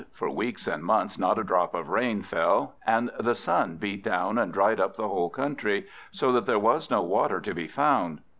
For weeks and months not a drop of rain fell; and the sun beat down, and dried up the whole country, so that there was no water to be found.